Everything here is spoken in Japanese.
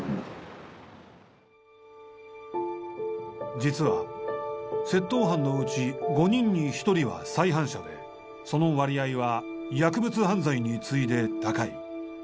実は窃盗犯のうち５人に１人は再犯者でその割合は薬物犯罪に次いで高い。